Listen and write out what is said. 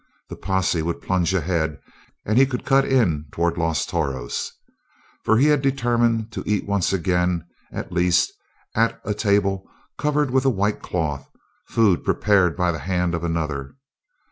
The posse would plunge ahead, and he could cut in toward Los Toros. For he had determined to eat once again, at least, at a table covered with a white cloth, food prepared by the hand of another.